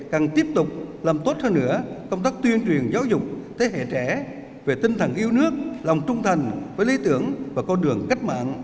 cần tiếp tục làm tốt hơn nữa công tác tuyên truyền giáo dục thế hệ trẻ về tinh thần yêu nước lòng trung thành với lý tưởng và con đường cách mạng